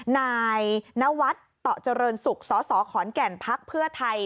นายนวัฒน์ต่อเจริญศุกร์สสขอนแก่นพักเพื่อไทย